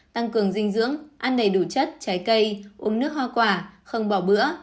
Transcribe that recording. tăng cường dinh dưỡng ăn đầy đủ chất trái cây uống nước hoa quả không bỏ bữa